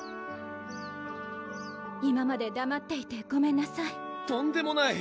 今までだまっていてごめんなさいとんでもない！